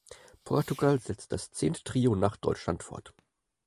Portugal setzt das zehnte Trio nach Deutschland fort.